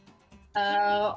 jadi mungkin perbedaannya di sini